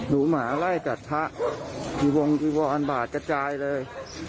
ดุหมาไล่กัดพระที่วงที่วอนบาทกระจายเลย